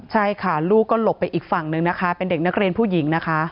ใช่ค่ะลูกก็หลบไปอีกฝั่งนึงนะคะเป็นเด็กนักเรียนผู้หญิงนะคะ